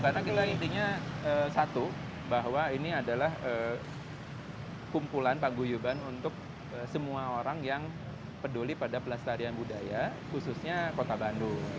karena kita intinya satu bahwa ini adalah kumpulan paguyuban untuk semua orang yang peduli pada pelestarian budaya khususnya kota bandung